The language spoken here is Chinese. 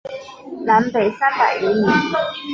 南北三百余里。